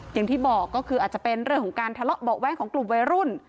อย่างที่บอกก็คืออาจจะเป็นเรื่องของการทะเลาะเบาะแว้งของกลุ่มวัยรุ่น